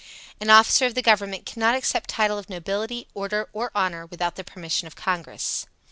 An officer of the Government cannot accept title of nobility, order or honor without the permission of Congress.